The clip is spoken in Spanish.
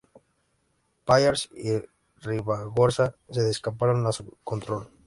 Pallars y Ribagorza se escaparon a su control.